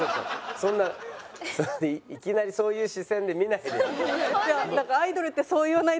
そんないきなりそういう視線で見ないでよ。